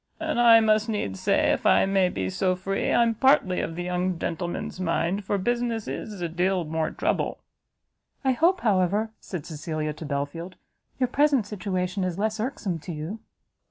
And I must needs say, if I may be so free, I'm partly of the young gentleman's mind, for business is a deal more trouble." "I hope, however," said Cecilia to Belfield, "your present situation is less irksome to you?"